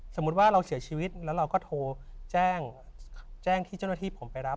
สมมุติว่าเราเสียชีวิตแล้วเราก็โทรแจ้งแจ้งที่เจ้าหน้าที่ผมไปรับ